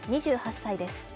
２８歳です。